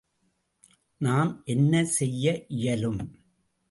நாம் என்ன செய்ய இயலும்?